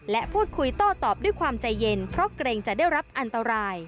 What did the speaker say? และพูดคุยโต้ตอบด้วยความใจเย็นเพราะเกรงจะได้รับอันตราย